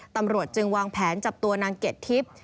ตำรวจจึงวางแผนจับตัวนางเกดทิพย์